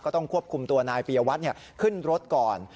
ต้องควบคุมตัวนายปียวัตรขึ้นรถก่อน